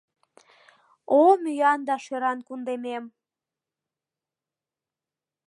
О мӱян да шӧран кундемем!